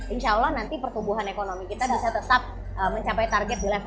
insya allah nanti pertumbuhan ekonomi kita bisa tetap mencapai target di level